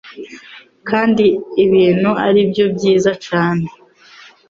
Kandi ibintu aribyo byiza cane